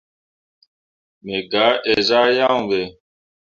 Me gah inzah yaŋ ɓe.